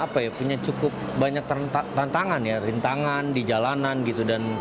dan mereka itu kan punya cukup banyak tantangan ya rintangan di jalanan gitu